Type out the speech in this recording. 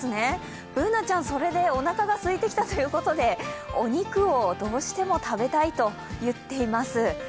Ｂｏｏｎａちゃん、それでおなかが空いてきたということで、お肉をどうしても食べたいと言っています。